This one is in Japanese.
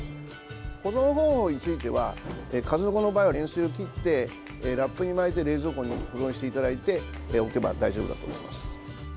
保存方法についてはかずのこの場合は塩水を切ってラップに巻いて冷蔵庫に保存していただいておけば大丈夫だと思います。